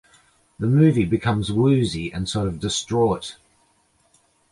The movie becomes woozy and sort of distraught.